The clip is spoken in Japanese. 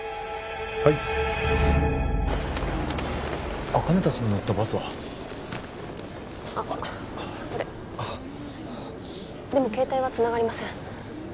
はい茜たちの乗ったバスはあっこれあっでも携帯はつながりません